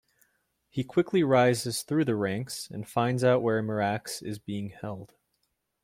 He quickly rises through the ranks, and finds out where Mirax is being held.